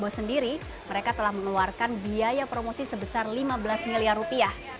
sendiri mereka telah mengeluarkan biaya promosi sebesar lima belas miliar rupiah